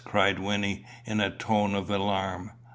cried Wynnie, in a tone of alarm.